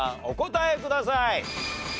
お答えください。